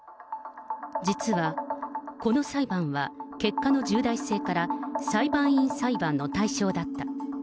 実は、この裁判は結果の重大性から、裁判員裁判の対象だった。